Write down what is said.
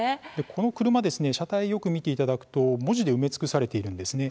この車車体、よく見ていただくと文字で埋め尽くされているんですね。